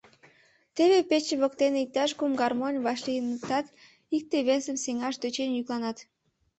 Теве пече воктене иктаж кум гармонь вашлийынытат, икте-весым сеҥаш тӧчен йӱкланат.